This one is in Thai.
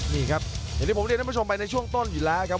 นี่ครับอย่างที่ผมเรียนท่านผู้ชมไปในช่วงต้นอยู่แล้วครับ